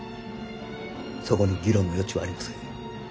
そこに議論の余地はありません。